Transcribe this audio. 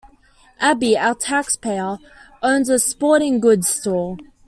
Abby, our taxpayer, owns a sporting goods store.